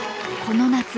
この夏